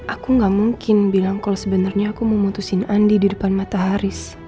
aku gak mungkin bilang kalo sebenernya aku mau mutusin andi di depan mataharis